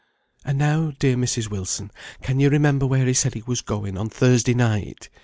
"And now, dear Mrs. Wilson, can you remember where he said he was going on Thursday night?